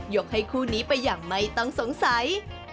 กให้คู่นี้ไปอย่างไม่ต้องสงสัย